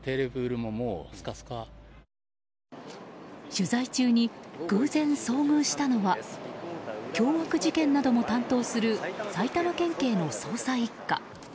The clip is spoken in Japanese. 取材中に偶然、遭遇したのは凶悪事件なども担当する埼玉県警の捜査１課。